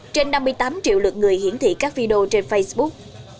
trên năm mươi tám triệu lượt người hiển thị các video trên facebook